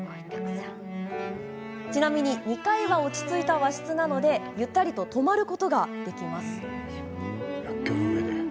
ちなみに２階は落ち着いた和室なのでゆったりと泊まることができます。